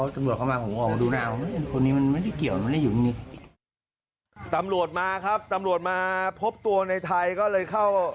ตำรวจมาพบตัวในไทยก็เลยเข้า